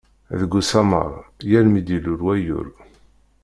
Deg Usammar, yal mi d-ilul wayyur.